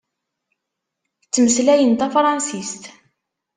Ttmeslayen tafṛansist.